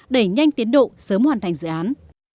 đẩy nhanh tiến độ sớm hoàn thành dự án